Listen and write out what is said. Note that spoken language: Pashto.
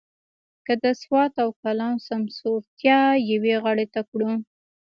که د سوات او کالام سمسورتیا یوې غاړې ته کړو.